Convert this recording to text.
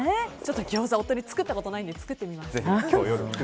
ギョーザあまり作ったことないので作ってみます。